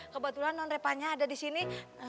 kebetulan non repanya ada disini